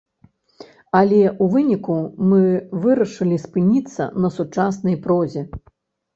Але, у выніку мы вырашылі спыніцца на сучаснай прозе.